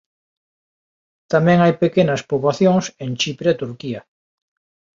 Tamén hai pequenas poboacións en Chipre e Turquía.